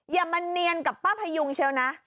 อย่ามาเนียนกับป้าพยุงเชียวนะ